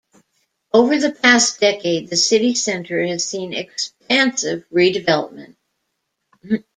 Over the past decade the city Centre has seen expansive redevelopment.